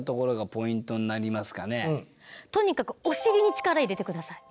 とにかくお尻に力入れてください。